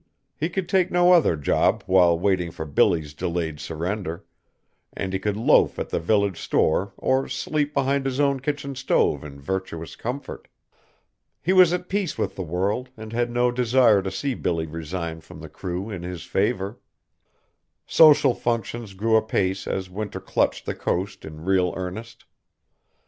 He could take no other job while waiting for Billy's delayed surrender, and he could loaf at the village store or sleep behind his own kitchen stove in virtuous comfort. He was at peace with the world and had no desire to see Billy resign from the crew in his favor. Social functions grew apace as winter clutched the coast in real earnest.